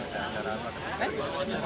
kota di jemaah